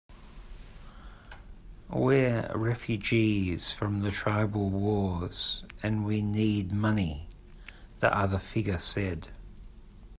"We're refugees from the tribal wars, and we need money," the other figure said.